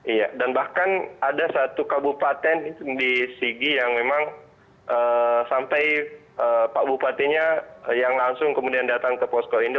iya dan bahkan ada satu kabupaten di sigi yang memang sampai pak bupatinya yang langsung kemudian datang ke posko indo